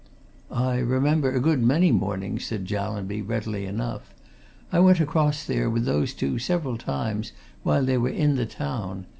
"I remember a good many mornings," said Jallanby, readily enough. "I went across there with those two several times while they were in the town.